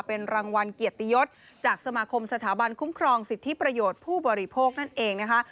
เป็นรางวัลเกียรติยศจากสมาคมสถาบันคุ้มครองสิทธิประโยชน์ผู้บริโภคนั่นเองนะคะ